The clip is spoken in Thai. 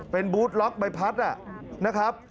เป็นบูธล็อกใบพัดนะครับ